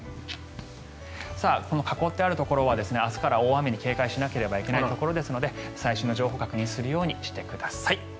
この囲ってあるところは明日から大雨に警戒しなければいけないところですので最新の情報を確認するようにしてください。